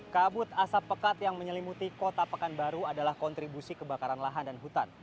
kabut asap pekat yang menyelimuti kota pekanbaru adalah kontribusi kebakaran lahan dan hutan